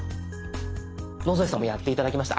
野添さんもやって頂きました。